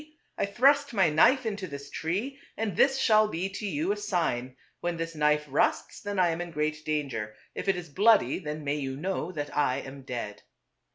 I thrust my knife into this tree, and this shall be to you a sign : when this knife rusts then I am in great danger ; if it is bloody then may you know that I am dead."